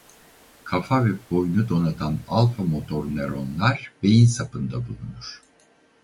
Kafa ve boynu donatan alfa motor nöronlar beyinsapında bulunur.